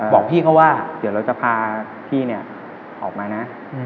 เดี๋ยวเราจะพาพี่เนี่ยออกมานะ